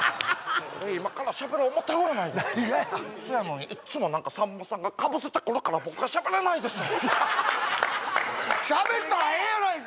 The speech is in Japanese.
今からしゃべろう思うてるやないですかそやのにいっつもなんかさんまさんがかぶせてくるから僕がしゃべれないでしょうしゃべったらええやないか！